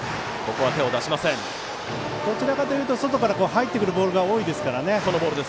どちらかというと外から入ってくるボールが多いですからね。